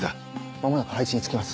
間もなく配置に就きます。